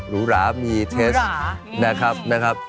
นี่นะครับ